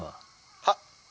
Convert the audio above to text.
「はっ」。